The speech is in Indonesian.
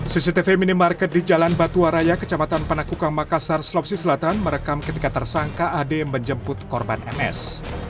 cctv minimarket di jalan batuwaraya kecamatan panakukang makassar slopsi selatan merekam ketika tersangka ad menjemput korban ms